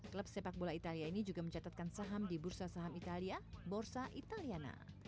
klub sepak bola italia ini juga mencatatkan saham di bursa saham italia borsa italiana